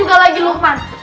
ini juga lagi lukman